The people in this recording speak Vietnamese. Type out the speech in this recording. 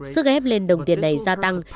sức ép lên đồng tiền này gia tăng